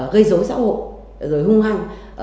gây dối xã hội rồi hung hăng